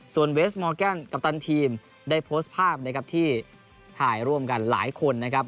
ส่วนเวสมอร์แกนกัปตันทีมได้โพสต์ภาพนะครับที่ถ่ายร่วมกันหลายคนนะครับ